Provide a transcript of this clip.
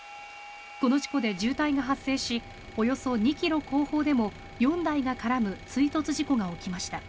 この事故で渋滞が発生しおよそ２ｋｍ後方でも４台が絡む追突事故が起きました。